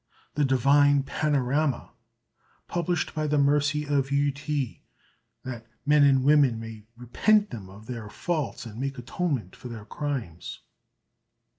_The "Divine Panorama," published by the Mercy of Yü Ti, that Men and Women may repent them of their Faults and make Atonement for their Crimes.